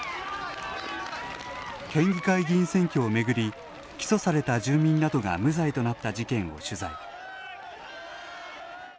県議会議員選挙を巡り起訴された住民などが無罪となった事件を取材。